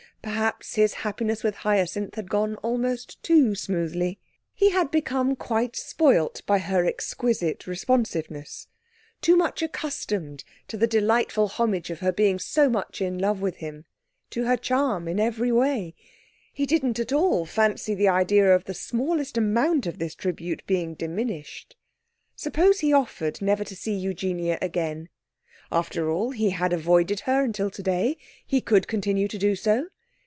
Perhaps his happiness with Hyacinth had gone almost too smoothly. He had become quite spoilt by her exquisite responsiveness, too much accustomed to the delightful homage of her being so much in love with him, to her charm in every way. He didn't at all fancy the idea of the smallest amount of this tribute being diminished. Suppose he offered never to see Eugenia again? After all, he had avoided her until today. He could continue to do so.